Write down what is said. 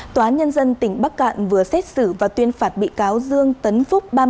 tòa án nhân dân tỉnh bắc cạn vừa xét xử và tuyên phạt bị cáo dương tấn phúc